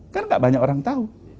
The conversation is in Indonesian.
kan gak banyak orang tahu